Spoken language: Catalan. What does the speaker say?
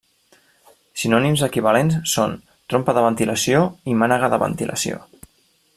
Sinònims equivalents són: trompa de ventilació i mànega de ventilació.